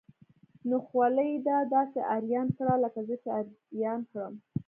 نو خولي ده داسې اریان کړه لکه زه چې اریان کړم.